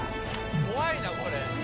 怖いなこれ。